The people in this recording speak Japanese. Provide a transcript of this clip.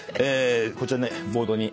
こちらにボードに。